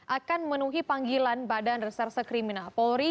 akan memenuhi panggilan badan reserse kriminal polri